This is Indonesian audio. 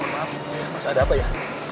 maaf mas ada apa ya